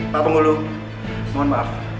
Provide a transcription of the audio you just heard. pak penghulu mohon maaf